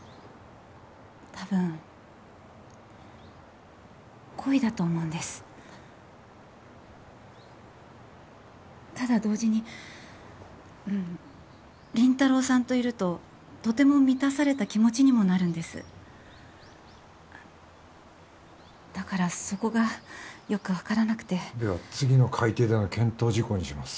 たぶん恋だと思うんですただ同時に林太郎さんといるととても満たされた気持ちにもなるんですだからそこがよく分からなくてでは次の改訂での検討事項にします